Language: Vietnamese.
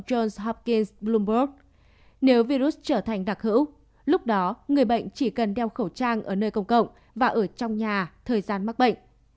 nếu virus trở thành đặc hữu lúc đó người bệnh chỉ cần đeo khẩu trang ở nơi công cộng và ở trong nhà thời gian mắc bệnh